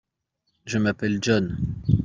Je m'appelle John.